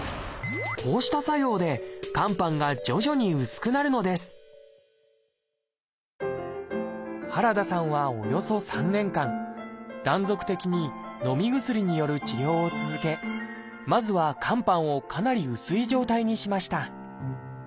こうした作用で肝斑が徐々に薄くなるのです原田さんはおよそ３年間断続的にのみ薬による治療を続けまずは肝斑をかなり薄い状態にしました。